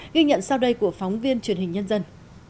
ghi nhận sau đây của phóng viên truyền hình nhân dân